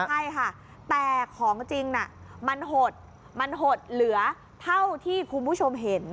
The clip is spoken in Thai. ใช่ค่ะแต่ของจริงน่ะมันหดมันหดเหลือเท่าที่คุณผู้ชมเห็น